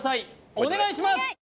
お願いします